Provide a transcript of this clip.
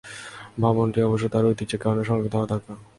ভবনটি অবশ্য তার ঐতিহ্যের কারণে সুরক্ষিত হওয়া দরকার।